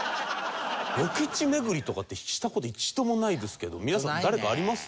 ロケ地巡りとかってした事一度もないですけど皆さん誰かあります？